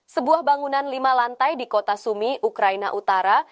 sebuah bangunan lima lantai di kota sumi ukraina utara